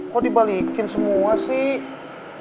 kok dibalikin semua sih